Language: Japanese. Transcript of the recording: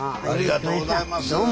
ありがとうございます。